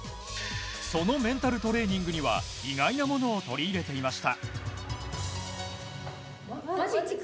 そのメンタルトレーニングには意外なものを取り入れていました。